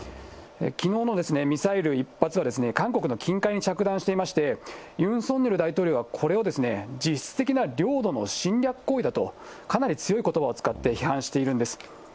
きのうのミサイル１発は、韓国の近海に着弾していまして、ユン・ソンニョル大統領は、これを実質的な領土の侵略行為だと、かなり強いことばを使って批判しているんです。